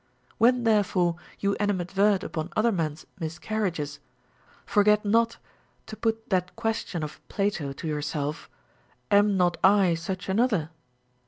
AVhen therefore you animad fert upon other men's miscarriages, forget not to put that question of Plato to yourself. Am not I such another